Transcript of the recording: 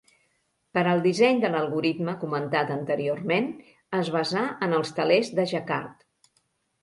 Per al disseny de l'algoritme comentat anteriorment, es basà en els telers de Jacquard.